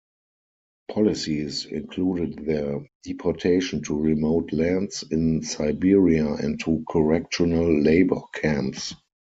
Policies included their deportation to remote lands in Siberia and to correctional labour camps.